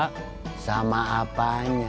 mahal bandung sekarang sama ke jakarta sama apanya